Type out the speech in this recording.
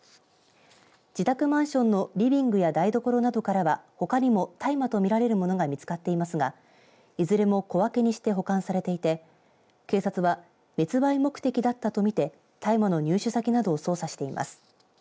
自宅マンションのリビングや台所などからはほかにも大麻と見られるものが見つかっていますがいずれも小分けにして保管されていて警察は密売目的だったと見て大麻の入手先などを捜査しています。